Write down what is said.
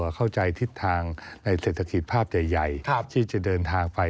เข้าใจทิศทางในเศรษฐกิจภาพใหญ่ที่จะเดินทางไป